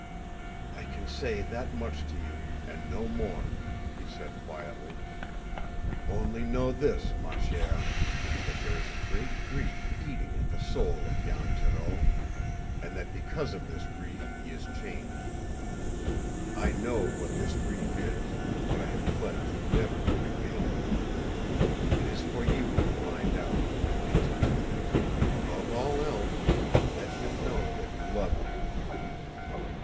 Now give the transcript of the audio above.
"I can say that much to you, and no more," he said quietly. "Only know this, ma chère that there is a great grief eating at the soul of Jan Thoreau, and that because of this grief he is changed. I know what this grief is, but I am pledged never to reveal it. It is for you to find out, and to do this, above all else let him know that you love him!"